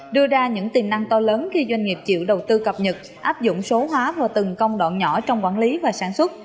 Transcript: đưa ra những tiềm năng to lớn khi doanh nghiệp chịu đầu tư cập nhật áp dụng số hóa vào từng công đoạn nhỏ trong quản lý và sản xuất